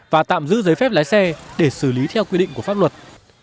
và tạm giữ giấy phép lái xe để xử lý theo quy định của pháp luật